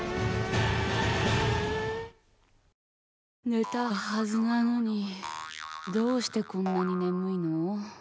寝たはずなのにどうしてこんなに眠いの。